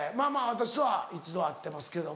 私とは一度会ってますけども。